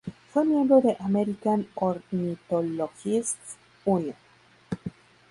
Fue miembro de "American Ornithologists' Union".